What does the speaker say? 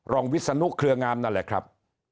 วิศนุเครืองามนั่นแหละครับ